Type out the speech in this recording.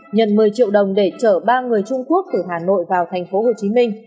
nhận một mươi triệu đồng để chở ba người trung quốc từ hà nội vào thành phố hồ chí minh